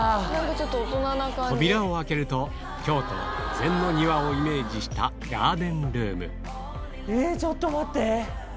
扉を開けると京都禅の庭をイメージしたガーデンルームちょっと待って！